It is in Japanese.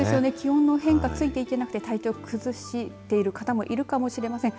気温の変化、ついていけなくて体調を崩している方もいるかもしれません。